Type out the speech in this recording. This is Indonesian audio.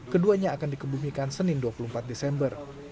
keduanya akan dikebumikan senin dua puluh empat desember